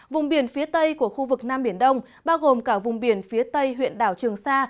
vùng biển phía tây của khu vực nam biển đông bao gồm cả vùng biển phía tây huyện đảo trường sa